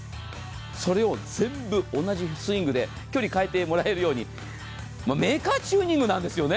それを全部同じスイングで距離を変えてもらえるようにメーカーチューニングなんですよね。